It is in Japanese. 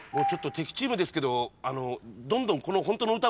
ちょっと敵チームですけどどんどん。